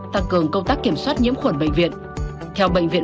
tăng cường công tác kiểm soát nhiễm khuẩn bệnh viện